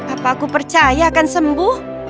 apa aku percaya akan sembuh